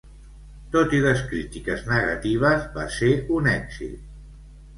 Tot i les crítiques negatives, va ser un èxit.